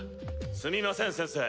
すみません先生。